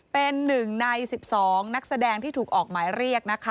เป็น๑ใน๑๒นักแสดงที่ถูกออกหมายเรียกนะคะ